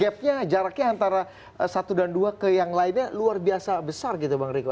gapnya jaraknya antara satu dan dua ke yang lainnya luar biasa besar gitu bang riko